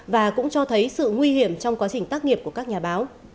và cũng cho thấy sự nguy hiểm trong quá trình tác nghiệp của các nhà báo